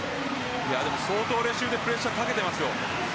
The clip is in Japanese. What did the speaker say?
相当レシーブでプレッシャーかけていますよ。